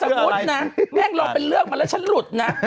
มุตินะแม่งลองเป็นเรื่องมาแล้วฉันหลุดนะ